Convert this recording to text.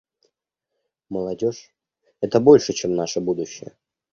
Молодежь — это больше, чем наше будущее.